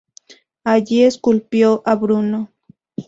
Allí esculpió a Bruno.